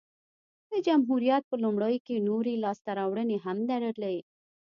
د جمهوریت په لومړیو کې نورې لاسته راوړنې هم لرلې